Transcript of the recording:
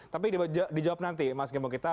tapi dijawab nanti mas gembong